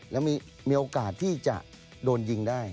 แล้วมีโอกาสที่จะโดนยิงได้